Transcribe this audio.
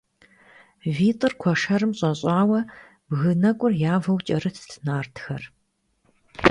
ВитӀыр куэшэрым щӀэщӀауэ бгы нэкӀур явэу кӀэрытт нартхэр.